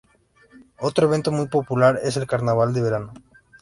Otro evento muy popular es el Carnaval de verano.